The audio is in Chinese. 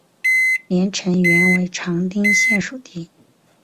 连城原为长汀县属地。